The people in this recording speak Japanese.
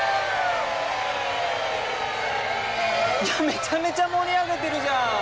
めちゃめちゃ盛り上げてるじゃん！